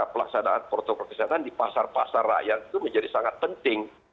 pelaksanaan protokol kesehatan di pasar pasar rakyat itu menjadi sangat penting